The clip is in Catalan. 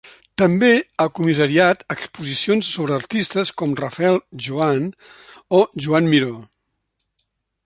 També ha comissariat exposicions sobre artistes com Rafel Joan o Joan Miró.